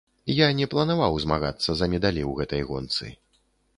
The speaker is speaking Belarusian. Я не планаваў змагацца за медалі ў гэтай гонцы.